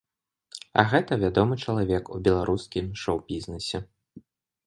А гэта вядомы чалавек у беларускім шоу-бізнэсе.